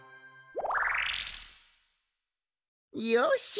よし！